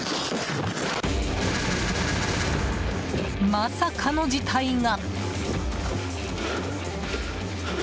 まさかの事態が。